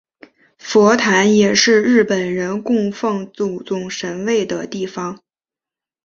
佛坛也是日本人供奉祖宗神位的地方。